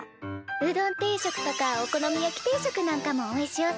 うどん定食とかお好み焼き定食なんかもおいしおすなあ。